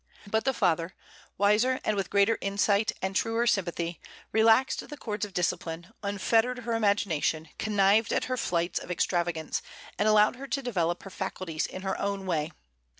But the father, wiser, and with greater insight and truer sympathy, relaxed the cords of discipline, unfettered her imagination, connived at her flights of extravagance, and allowed her to develop her faculties in her own way.